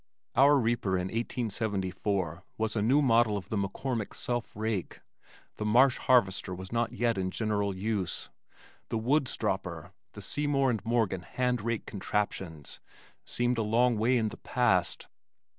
Our reaper in 1874 was a new model of the McCormick self rake, the Marsh Harvester was not yet in general use. The Woods Dropper, the Seymour and Morgan hand rake "contraptions" seemed a long way in the past.